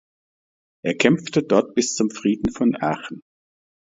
Er kämpfte dort bis zum Frieden von Aachen.